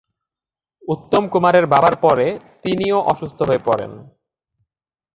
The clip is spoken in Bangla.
উত্তম কুমারের বাবার পরে তিনিও অসুস্থ হয়ে পড়েন।